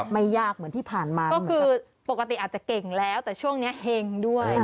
ไม่ยากเหมือนที่ผ่านมาก็คือปกติอาจจะเก่งแล้วแต่ช่วงนี้เห็งด้วย